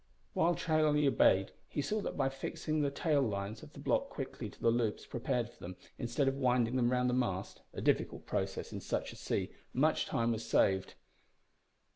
While Charlie obeyed he saw that by fixing the tail lines of the block quickly to the loops prepared for them, instead of winding them round the mast, a difficult process in such a sea much time was saved.